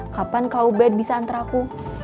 kapan kau bed bisa antara aku